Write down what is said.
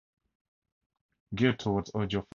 Geared towards audiophiles.